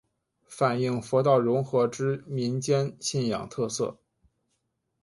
反应佛道融合之民间信仰特色。